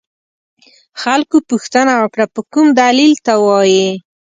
خلکو پوښتنه وکړه په کوم دلیل ته وایې.